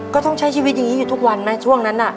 ก็ต้องใช้ชีวิตอย่างนี้อยู่ทุกวันไหมช่วงนั้นน่ะ